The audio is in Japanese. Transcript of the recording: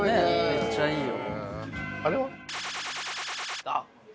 めっちゃいいよ。